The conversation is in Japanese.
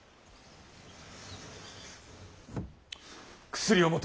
薬を持て。